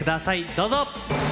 どうぞ。